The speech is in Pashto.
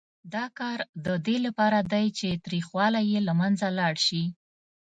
دا کار د دې لپاره دی چې تریخوالی یې له منځه لاړ شي.